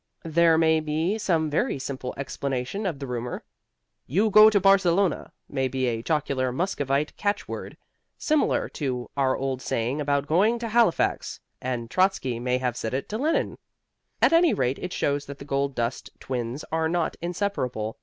There may be some very simple explanation of the rumor. "You go to Barcelona!" may be a jocular Muscovite catchword, similar to our old saying about going to Halifax, and Trotzky may have said it to Lenine. At any rate it shows that the gold dust twins are not inseparable.